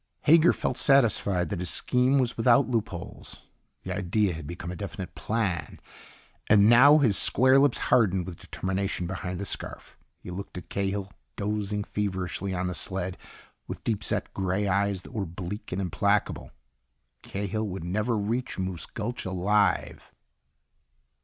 Hager felt satisfied that his scheme was without loopholes. The idea had become a definite plan. And now his square lips hardened with determination behind the scarf. He looked at Cahill, dozing feverishly on the sled, with deep set gray eyes that were bleak and implacable. Cahill would never reach Moose Gulch alive.